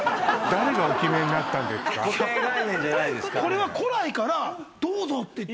これは古来からどうぞっていって。